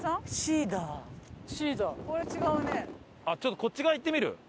あっちょっとこっち側行ってみる？